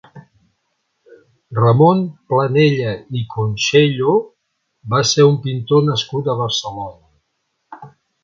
Ramon Planella i Conxello va ser un pintor nascut a Barcelona.